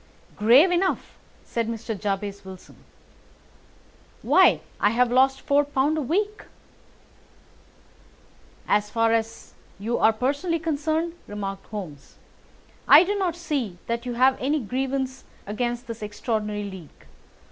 "Grave enough!" said Mr. Jabez Wilson. "Why, I have lost four pound a week." "As far as you are personally concerned," remarked Holmes, "I do not see that you have any grievance against this extraordinary league.